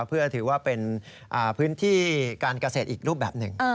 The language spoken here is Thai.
เพื่อถือว่าเป็นพื้นที่การเกษตรอีกรูปแบบหนึ่ง